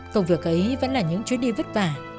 công việc ấy vẫn là những chuyến đi vất vả